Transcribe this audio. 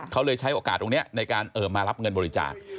เขาเลยใช้โอกาสตรงนี้ในการมารับเงินบริจาค